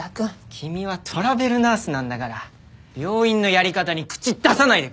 君はトラベルナースなんだから病院のやり方に口出さないでくれ！